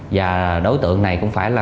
và đối tượng này cũng phải là